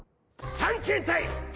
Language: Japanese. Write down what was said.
探検隊！